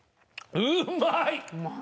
うまいね。